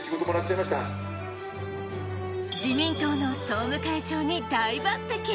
自民党の総務会長に大抜てき。